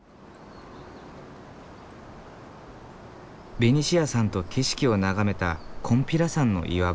ベニシアさんと景色を眺めた金比羅山の岩場。